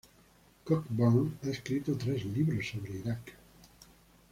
Cockburn ha escrito tres libros sobre Irak.